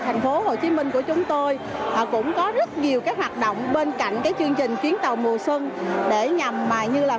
tp hcm của chúng tôi cũng có rất nhiều cái hoạt động bên cạnh cái chương trình chuyến tàu mùa xuân để nhằm mà như là